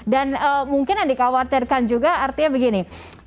dan mungkin yang dikhawatirkan juga artinya begini